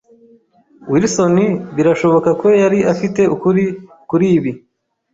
Wilson birashoboka ko yari afite ukuri kuri ibi.